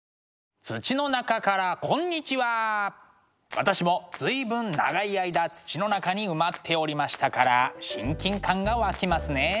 私も随分長い間土の中に埋まっておりましたから親近感が湧きますね。